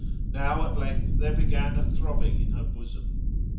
Now at length there began a throbbing in her bosom.